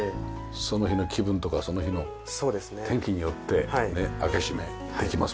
その日の気分とかその日の天気によって開け閉めできます